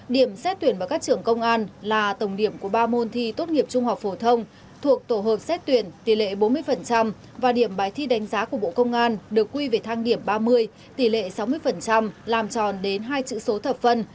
điểm xét tuyển vào các trường công an là tổng điểm của ba môn thi tốt nghiệp trung học phổ thông thuộc tổ hợp xét tuyển tỷ lệ bốn mươi và điểm bài thi đánh giá của bộ công an được quy về thang điểm ba mươi tỷ lệ sáu mươi làm tròn đến hai chữ số thập phân